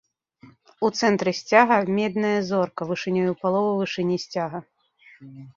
У цэнтры сцяга, медная зорка вышынёй у палову вышыні сцяга.